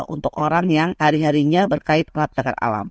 untuk orang yang hari harinya berkait melihat negara alam